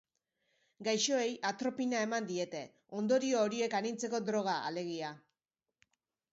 Gaixoei atropina eman diete, ondorio horiek arintzeko droga, alegia.